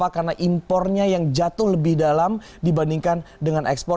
karena impornya yang jatuh lebih dalam dibandingkan dengan ekspor